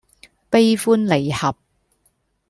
悲歡離合